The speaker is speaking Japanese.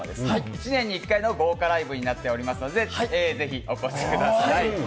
１年１回の豪華ライブになっておりますので、ぜひお越しください。